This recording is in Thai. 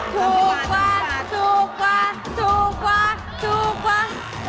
ถูกกว่าถูกกว่าถูกกว่าถูกกว่า